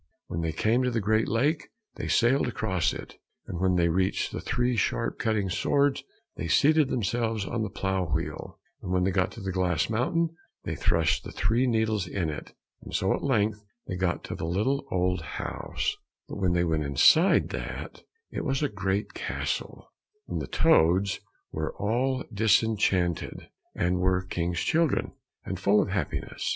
When they came to the great lake, they sailed across it, and when they reached the three sharp cutting swords they seated themselves on the plough wheel, and when they got to the glass mountain they thrust the three needles in it, and so at length they got to the little old house; but when they went inside that, it was a great castle, and the toads were all disenchanted, and were King's children, and full of happiness.